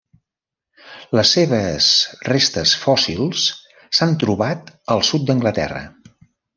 Les seves restes fòssils s'han trobat al sud d'Anglaterra.